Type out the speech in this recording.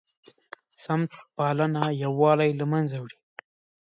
سمت پالنه یووالی له منځه وړي